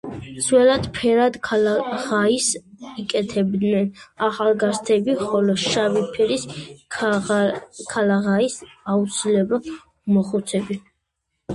ძველად, ფერად ქალაღაის იკეთებდნენ ახალგაზრდები, ხოლო შავი ფერის ქალაღაის აუცილებლად მოხუცები.